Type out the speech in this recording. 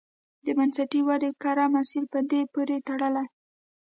د بنسټي ودې کره مسیر په دې پورې تړلی.